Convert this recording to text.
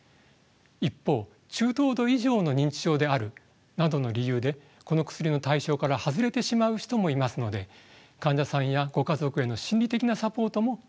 一方中等度以上の認知症であるなどの理由でこの薬の対象から外れてしまう人もいますので患者さんやご家族への心理的なサポートも重要です。